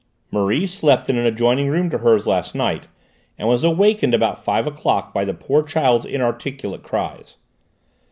Marie slept in an adjoining room to hers last night, and was awakened about five o'clock by the poor child's inarticulate cries.